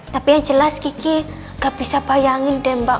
tapi yang jelas kiki gak bisa bayangin deh mbak